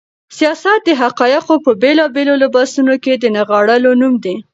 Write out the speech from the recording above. سياست د حقايقو په بېلابېلو لباسونو کې د نغاړلو نوم دی.